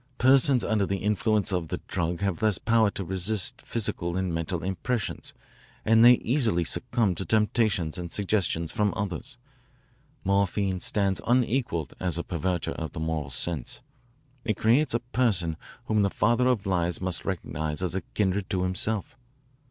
Persons under the influence of the drug have less power to resist physical and mental impressions and they easily succumb to temptations and suggestions from others. Morphine stands unequalled as a perverter of the moral sense. It creates a person whom the father of lies must recognise as kindred to himself.